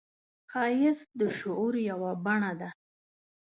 ښایست د شعور یوه بڼه ده